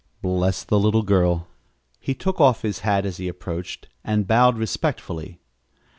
Bless the little girl! He took off his hat as he approached and bowed respectfully.